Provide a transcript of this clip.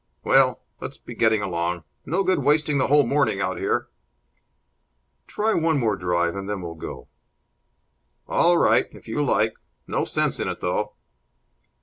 Well, let's be getting along. No good wasting the whole morning out here." "Try one more drive, and then we'll go." "All right. If you like. No sense in it, though."